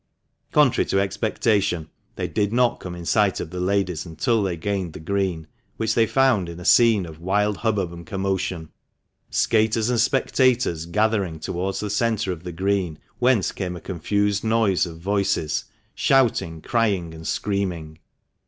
" Contrary to expectation, they did not come in sight of the ladies until they gained the Green, which they found a scene of wild hubbub and commotion ; skaters and spectators gathering 274 THB MANCHESTER MAN. towards the centre of the Green, whence came a confused noise of voices, shouting, crying, and screaming.